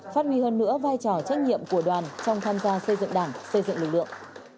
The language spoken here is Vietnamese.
phát huy hơn nữa vai trò trách nhiệm của đoàn trong tham gia xây dựng đảng xây dựng lực lượng